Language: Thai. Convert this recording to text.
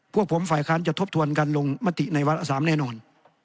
พวกผมฝ่ายค้านจะทบทวนการลงมติในวาระ๓แน่นอน